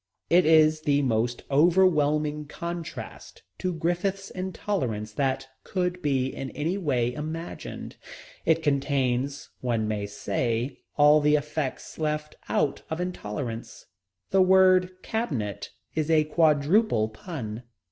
It is the most overwhelming contrast to Griffith's Intolerance that could be in any way imagined. It contains, one may say, all the effects left out of Intolerance. The word cabinet is a quadruple pun.